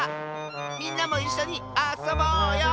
みんなもいっしょにあそぼうよ！